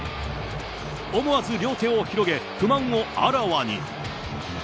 思わず両手を広げ、不満をあらわに。